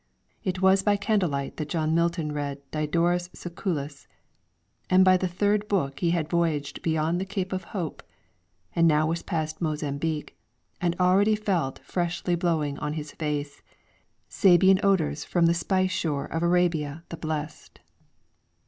It was by candlelight that John Milton read Didorus Siculus, and by the Third Book he had voyaged beyond the Cape of Hope and now was past Mozambic, and already felt freshly blowing on his face ' Sabean odours from the spicie shore Of Arable the blest.'